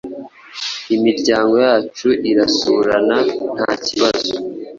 imiryango yacu irasurana nta kibazo.”